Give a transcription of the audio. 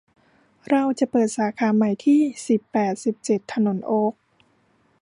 เราจะเปิดสาขาใหม่ที่ สิบ แปดสิบเจ็ด ถนนโอ๊ค